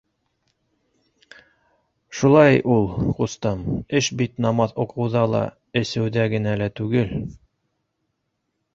Шулай ул, ҡустым, эш бит намаҙ уҡыуҙа ла, әсеүҙә генә лә түгел...